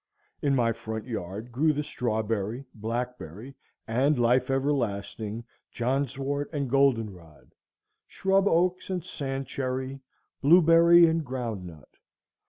In my front yard grew the strawberry, blackberry, and life everlasting, johnswort and goldenrod, shrub oaks and sand cherry, blueberry and groundnut.